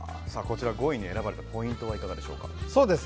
５位に選ばれたポイントはいかがでしょうか。